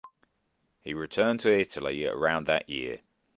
He returned to Italy around that year.